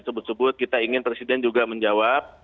sebut sebut kita ingin presiden juga menjawab